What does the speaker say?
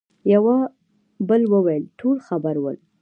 يوه بل وويل: ټول خبر ول.